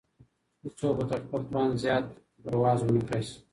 هيڅوک به تر خپل توان زيات پرواز ونکړای سي.